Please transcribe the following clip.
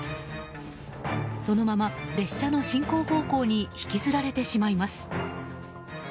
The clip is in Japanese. そのまま列車の進行方向に引きずられてしまいます。